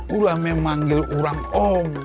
udah memanggil orang om